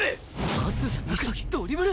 パスじゃなくドリブル！？